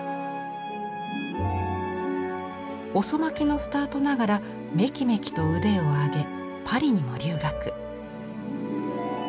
遅まきのスタートながらめきめきと腕を上げパリにも留学。